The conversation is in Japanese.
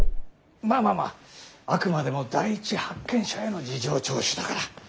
まあまあまああくまでも第一発見者への事情聴取だから。